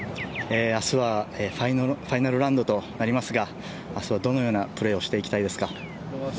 明日はファイナルラウンドとなりますがあすはどのようなプレーをしていきたいですか？